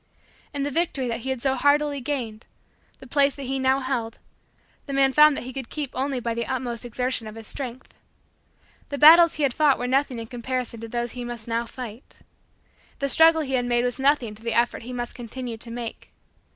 And the victory that he had so hardily gained, the place that he now held, the man found that he could keep only by the utmost exertion of his strength. The battles he had fought were nothing in comparison to those he must now fight. The struggle he had made was nothing to the effort he must continue to make.